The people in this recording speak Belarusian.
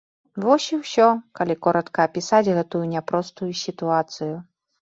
Вось і ўсё, калі коратка апісаць гэтую няпростую сітуацыю.